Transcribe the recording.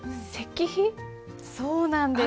そうなんです。